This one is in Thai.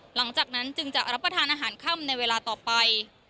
หลังจากนั้นจึงจะรับประทานอาหารค่ำในเวลาต่อไป